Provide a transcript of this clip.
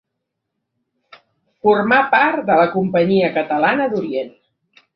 Formà part de la Companyia Catalana d'Orient.